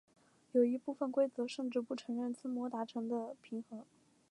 有一部分规则甚至不承认自摸达成的平和。